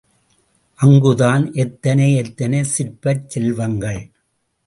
அங்குதான் எத்தனை எத்தனை சிற்பச் செல்வங்கள்.